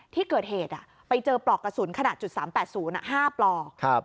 ที่เกิดเหตุไปเจอปลอกกระสุนขนาด๓๘๐๕ปลอก